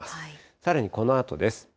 さらにこのあとです。